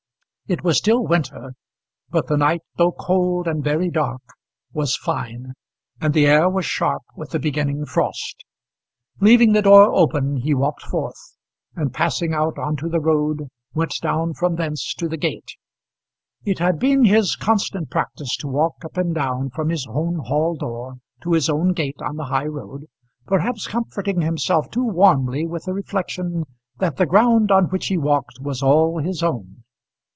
It was still winter, but the night, though cold and very dark, was fine, and the air was sharp with the beginning frost. Leaving the door open he walked forth, and passing out on to the road went down from thence to the gate. It had been his constant practice to walk up and down from his own hall door to his own gate on the high road, perhaps comforting himself too warmly with the reflection that the ground on which he walked was all his own.